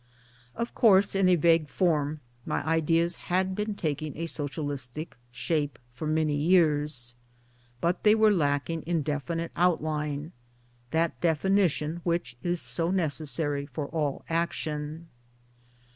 Of course, in a vague form, my ideas had been taking a socialistic shape for many years ; but they were lacking in definite outline that definition which is so necessary for all action.